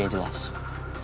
loh lo kenal sama dia